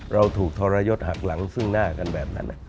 เราถูกทรยศหักหลังซึ่งหน้ากันแบบนั้น